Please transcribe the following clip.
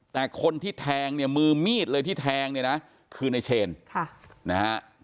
แต่คนที่แทงเนี่ยมือมีดเลยที่แทงเนี่ยนะคือในเชนค่ะนะฮะ